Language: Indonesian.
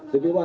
tipi satu ya